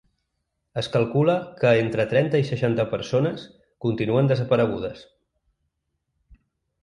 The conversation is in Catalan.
Es calcula que entre trenta i seixanta persones continuen desaparegudes.